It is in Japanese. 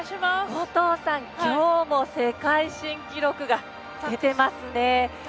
後藤さん、今日も世界新記録が出ていますね。